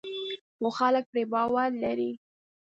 خو خلک پرې باور لري.